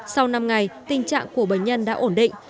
sau năm ngày tình trạng của bệnh nhân đã ổn định